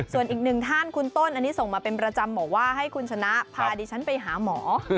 ส่วนอีกหนึ่งท่านคุณต้นอันนี้ส่งมาเป็นประจำบอกว่าให้คุณชนะพาดิฉันไปหาหมอ